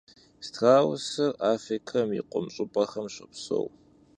Strausır Afrikem yi khum ş'ıp'exem şopszu.